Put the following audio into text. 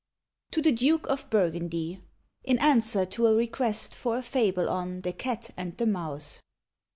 TO THE DUKE OF BURGUNDY, In Answer to a Request for a Fable on "The Cat and the Mouse."